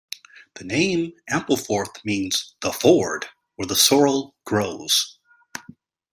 The name Ampleforth means the ford where the sorrel grows.